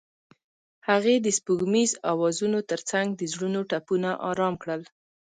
هغې د سپوږمیز اوازونو ترڅنګ د زړونو ټپونه آرام کړل.